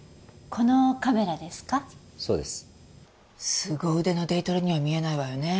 凄腕のデイトレには見えないわよね。